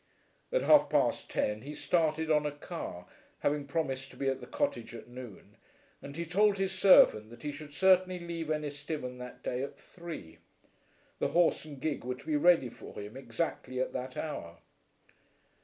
At half past ten he started on a car, having promised to be at the cottage at noon, and he told his servant that he should certainly leave Ennistimon that day at three. The horse and gig were to be ready for him exactly at that hour.